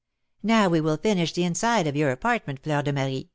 "Now we will finish the inside of your apartment, Fleur de Marie.